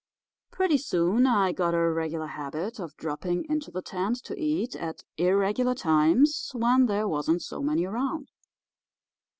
"Pretty soon I got a regular habit of dropping into the tent to eat at irregular times when there wasn't so many around.